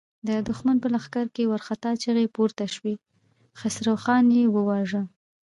د دښمن په لښکر کې وارخطا چيغې پورته شوې: خسرو خان يې وواژه!